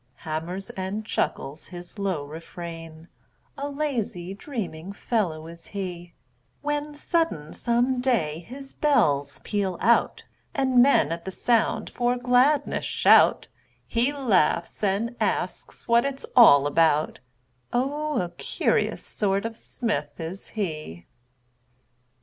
Hammers and chuckles his low refrain, A lazy, dreaming fellow is he: When sudden, some day, his bells peal out, And men, at the sound, for gladness shout; He laughs and asks what it's all about; Oh, a curious sort of smith is he.